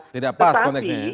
tidak pas konteksnya ya